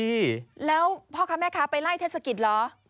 แล้วพ่อค้าแม่ค้าไปไล่เทศกิจเหรอ